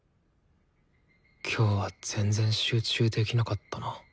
今日は全然集中できなかったな。